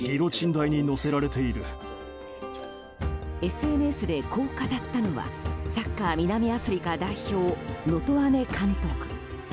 ＳＮＳでこう語ったのはサッカー南アフリカ代表ノトアネ監督。